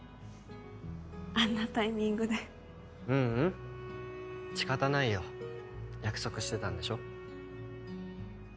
あんなタイミングでううん仕方ないよ約束してたんでしょ？